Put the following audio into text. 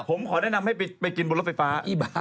ผมขอแนะนำให้ไปกินบนรถไฟฟ้า